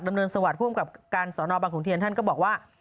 เนินสวัสดิผู้อำกับการสอนอบังขุนเทียนท่านก็บอกว่า